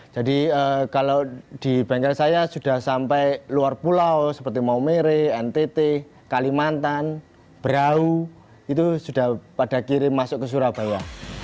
jadi kalau di bengkel saya sudah sampai luar pulau seperti maumere ntt kalimantan berau itu sudah pada kirim masuk ke surabaya